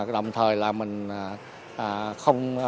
đồng thời là mình